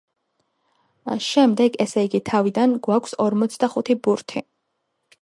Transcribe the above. შემდეგ, ესე იგი, თავიდან გვაქვს ორმოცდახუთი ბურთი.